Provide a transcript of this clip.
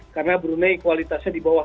karena brunei kualitasnya di bawah